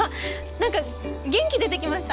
何か元気出てきました。